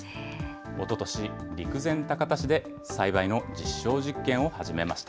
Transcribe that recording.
おととし、陸前高田市で栽培の実証実験を始めました。